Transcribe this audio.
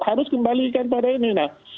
harus kembalikan pada ini